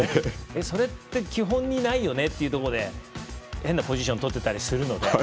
それって基本にないよねというところで変なポジション取っていたりするので。